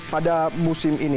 pada musim ini